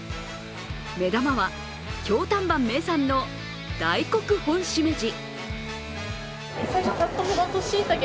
目玉は京丹波名産の大黒本しめじ。